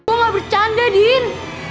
gue gak bercanda din